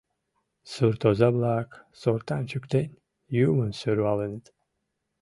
Сурт оза-влак, сортам чӱктен, юмым сӧрваленыт.